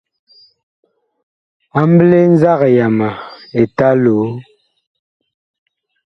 Amɓle nzag yama Eta Loo.